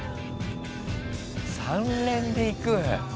３連でいく？